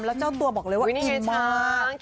แล้วเจ้าตัวบอกเลยว่าอิ่มมาก